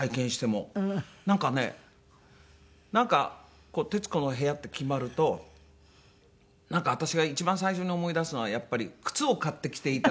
なんかねなんか『徹子の部屋』って決まるとなんか私が一番最初に思い出すのはやっぱり靴を買ってきていただいた。